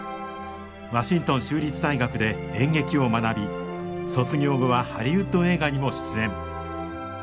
ワシントン州立大学で演劇を学び卒業後はハリウッド映画にも出演。